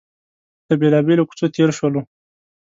له بېلابېلو کوڅو تېر شولو.